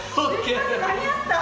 間に合った！